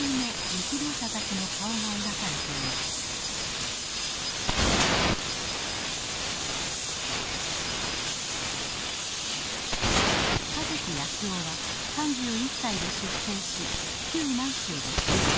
香月泰男は３１歳で出征し旧満州で終戦。